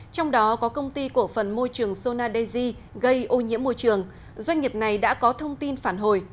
trong đó có công ty cổ phần môi trường sonadeji gây ô nhiễm môi trường doanh nghiệp này đã có thông tin phản hồi